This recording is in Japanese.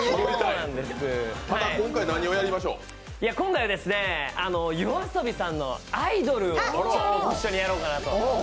今回、ＹＯＡＳＯＢＩさんの「アイドル」を一緒にやろうかなと。